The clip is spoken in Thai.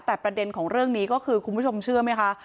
แต่ประเด็นของเรื่องนี้ก็คือคุณผู้ชมเชื่อไหมคะ